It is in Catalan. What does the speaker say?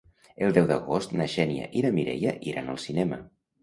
El deu d'agost na Xènia i na Mireia iran al cinema.